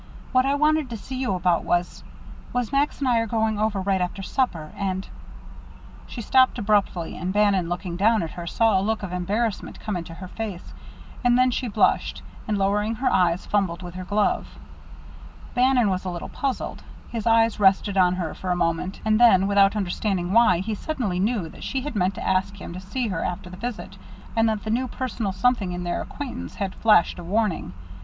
What I wanted to see you about was was Max and I are going over right after supper, and " She stopped abruptly; and Bannon, looking down at her, saw a look of embarrassment come into her face; and then she blushed, and lowering her eyes, fumbled with her glove. Bannon was a little puzzled. His eyes rested on her for a moment, and then, without understanding why, he suddenly knew that she had meant to ask him to see her after the visit, and that the new personal something in their acquaintance had flashed a warning.